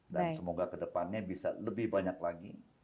semoga kedepannya bisa lebih banyak lagi